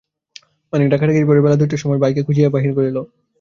অনেক ডাকাডাকির পরে বেলা দুইটার সময় ভাইকে খুঁজিয়া বাহির করিল।